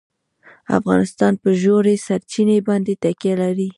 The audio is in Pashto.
افغانستان په ژورې سرچینې باندې تکیه لري.